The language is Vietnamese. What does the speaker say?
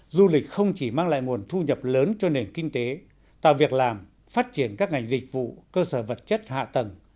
du lịch không chỉ mang lại nguồn thu nhập lớn cho nền kinh tế tạo việc làm phát triển các ngành dịch vụ cơ sở vật chất hạ tầng